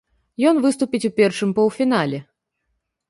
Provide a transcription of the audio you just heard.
Ён выступіць у першым паўфінале.